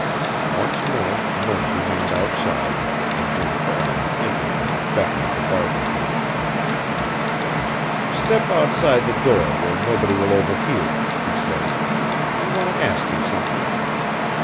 Once more Murk remained outside, and Jim Farland entered and beckoned the barber to him. "Step outside the door where nobody will overhear," he said. "I want to ask you something."